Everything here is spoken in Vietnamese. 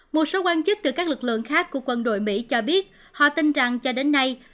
một số quan chức từ các lực lượng khác của quân đội mỹ cho biết họ tin rằng cho đến nay